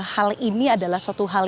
hal ini adalah suatu hal